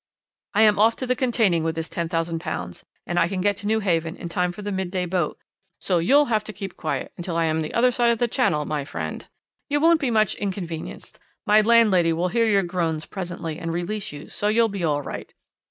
I am off to the continent with this £10,000, and I can get to Newhaven in time for the midday boat, so you'll have to keep quiet until I am the other side of the Channel, my friend. You won't be much inconvenienced; my landlady will hear your groans presently and release you, so you'll be all right.